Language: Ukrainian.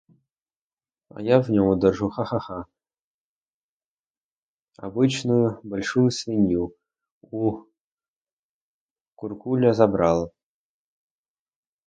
А я в ньом держу — ха-ха-ха! — абичную бальшую свінью — у куркуля забрал.